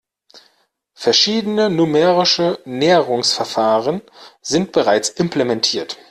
Verschiedene numerische Näherungsverfahren sind bereits implementiert.